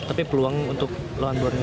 tapi peluang untuk peluang borneo